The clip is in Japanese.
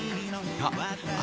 あ